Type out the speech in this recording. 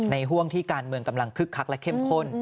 ห่วงที่การเมืองกำลังคึกคักและเข้มข้น